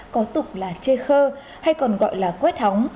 có tục là chê khơ hay còn gọi là quét hóng